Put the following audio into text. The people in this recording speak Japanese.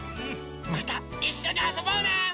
またいっしょにあそぼうね！